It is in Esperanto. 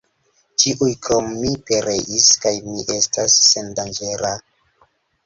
Ĉiuj krom mi pereis, kaj mi estas sendanĝera!